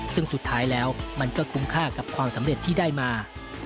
ซึ่งสุดท้ายแล้วมันก็คุ้มค่ากับความสำเร็จที่ได้มา